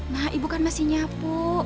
nah ibu kan masih nyapu